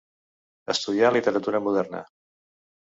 Estudià literatura moderna.